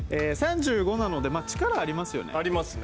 ３５なので力ありますよね。